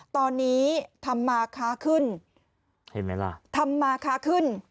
ตอนนี้ทำมาค้าขึ้นเห็นไหมล่ะทำมาค้าขึ้น